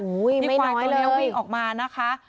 ไม่น้อยเลยมีควายตัวนี้วิ่งออกมานะคะ